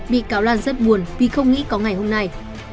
bị cáo lan rất buồn vì không nghĩ có ngày hôm nay